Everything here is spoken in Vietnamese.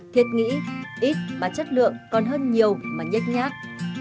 thiệt nghĩ ít mà chất lượng còn hơn nhiều mà nhét nhác